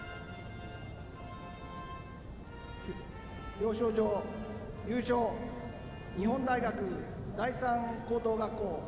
表彰状、優勝日本大学第三高等学校。